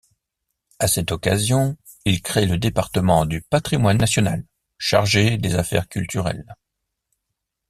À cette occasion, il crée le département du Patrimoine national, chargé des affaires culturelles.